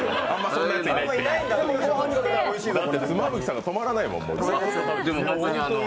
だって妻夫木さんが止まらないもん。